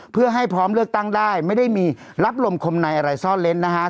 เพื่อให้พร้อมเลือกตั้งได้ไม่ได้มีรับลมคมในอะไรซ่อนเล้นนะฮะ